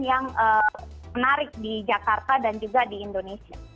yang menarik di jakarta dan juga di indonesia